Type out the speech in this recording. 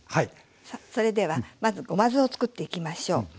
それではまずごま酢を作っていきましょう。